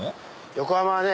横浜はね